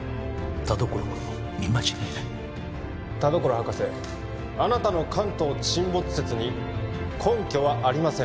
田所君の見間違いだ田所博士あなたの関東沈没説に根拠はありません